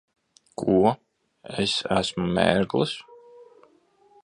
Ko? Es esmu mērglis?